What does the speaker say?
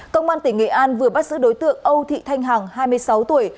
công an tỉnh nghệ an vừa bắt giữ đối tượng âu thị thanh hằng hai mươi sáu tuổi